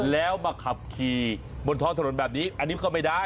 แล้วมาขับขี่บนท้องถนนแบบนี้อันนี้ก็ไม่ได้